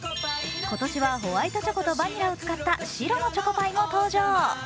今年はホワイトチョコとバニラを使った白のチョコパイも登場。